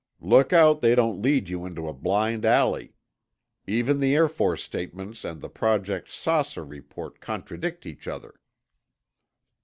Look out they don't lead you into a blind alley. Even the Air Force statements and the Project 'Saucer' report contradict each other."